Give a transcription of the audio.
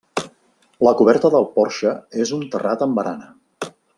La coberta del porxe és un terrat amb barana.